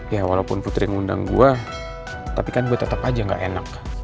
ya walaupun putri ngundang gue tapi kan gue tetap aja gak enak